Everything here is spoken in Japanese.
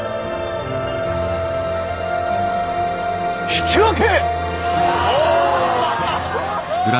引き分け！